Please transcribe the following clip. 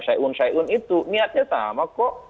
syaiun syaiun itu niatnya sama kok